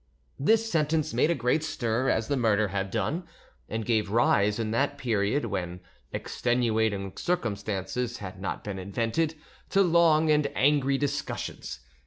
This sentence made as great a stir as the murder had done, and gave rise, in that period when "extenuating circumstances" had not been invented, to long and angry discussions.